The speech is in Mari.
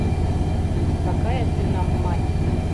Какая ты нам мать